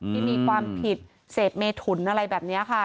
ที่มีความผิดเสพเมถุนอะไรแบบนี้ค่ะ